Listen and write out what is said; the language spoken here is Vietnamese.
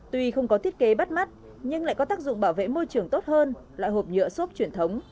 tuy không có thiết kế bắt mắt nhưng lại có tác dụng bảo vệ môi trường tốt hơn loại hộp nhựa xốp truyền thống